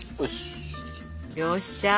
よっしゃ！